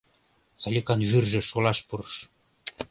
— Саликан вӱржӧ шолаш пурыш.